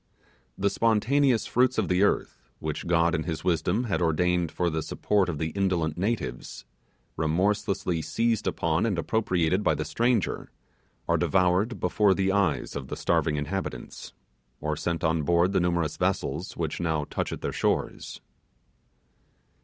The spontaneous fruits of the earth, which God in his wisdom had ordained for the support of the indolent natives, remorselessly seized upon and appropriated by the stranger, are devoured before the eyes of the starving inhabitants, or sent on board the numerous vessels which now touch at their shores.